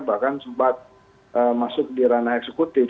bahkan sempat masuk di ranah eksekutif